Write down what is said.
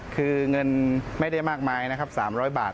คือเงินไม่ได้มากมายนะครับ๓๐๐บาท